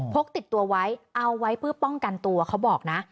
กติดตัวไว้เอาไว้เพื่อป้องกันตัวเขาบอกนะ